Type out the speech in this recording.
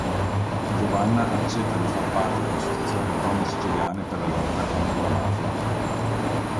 Giovanna accetta di far parte dell'Associazione donne siciliane per la lotta contro la mafia.